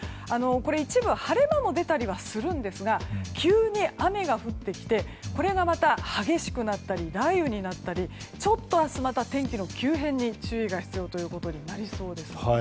一部、晴れ間も出たりはするんですが急に雨が降ってきてこれがまた激しくなったり雷雨になったりちょっと明日また天気の急変に注意が必要となりそうです。